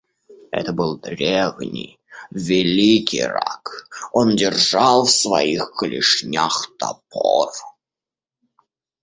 Это был древний, великий рак; он держал в своих клешнях топор.